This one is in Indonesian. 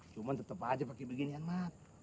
siapa aja pake beginian mat